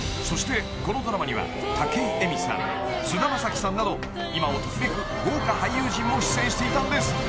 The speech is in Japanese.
［そしてこのドラマには武井咲さん菅田将暉さんなど今を時めく豪華俳優陣も出演していたんです］